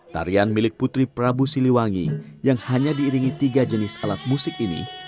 tarian milik putri prabu siliwangi yang hanya diiringi tiga jenis alat musik ini